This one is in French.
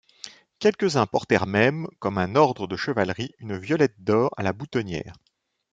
Quelques-uns portèrent même, comme un ordre de chevalerie, une violette d’or à la boutonnière.